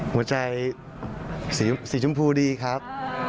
หัวใจสีชมพูดีครับ